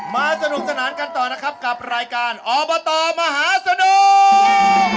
มาสนุกสนานกันต่อนะครับกับรายการออเบอร์ตอร์มหาสนุก